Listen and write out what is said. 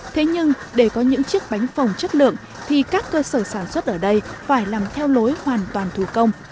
thế nhưng để có những chiếc bánh phồng chất lượng thì các cơ sở sản xuất ở đây phải làm theo lối hoàn toàn thủ công